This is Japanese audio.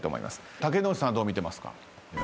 竹野内さんはどうみてますか？